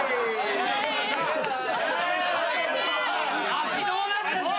足どうなってんだよ。